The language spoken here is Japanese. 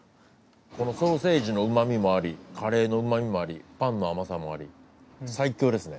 このソーセージのうまみもありカレーのうまみもありパンの甘さもあり最強ですね。